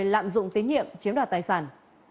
lạm dụng tín nhiệm chiếm đoạt tài sản